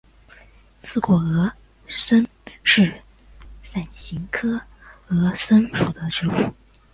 刺果峨参是伞形科峨参属的植物。